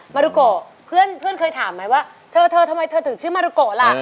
มารุโกเพื่อนเคยถามไหมว่าเธอทำไมเธอถึงชื่อมารุโกะล่ะ